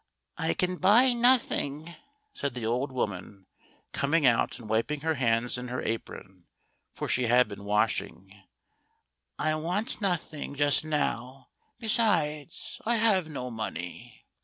" I can buy nothing," said the old woman, coming out, and wiping her hands in her apron, for she had been washing; "I want nothing just now; besides, I have no money."